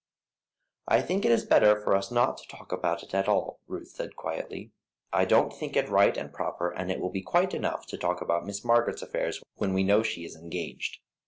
"I think it is better for us not to talk about it at all," Ruth said, quietly; "I don't think it right and proper, and it will be quite time enough to talk about Miss Margaret's affairs when we know she is engaged."